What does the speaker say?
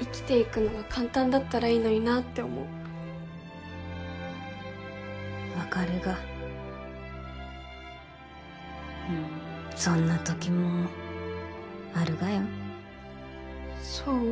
生きていくのが簡単だったらいいのになって思う分かるがうんそんな時もあるがよそう？